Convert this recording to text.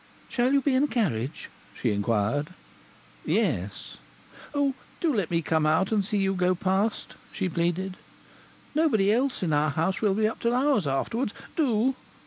"Shall you be in a carriage?" she inquired. "Yes." "Oh! Do let me come out and see you go past," she pleaded. "Nobody else in our house will be up till hours afterwards!... Do!"